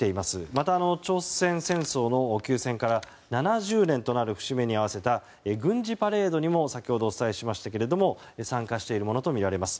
また、朝鮮戦争の休戦から７０年となる節目に合わせた軍事パレードにも先ほどお伝えしましたけれども参加しているものとみられます。